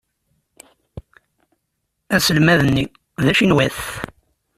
Aselmad-nni d acinwat.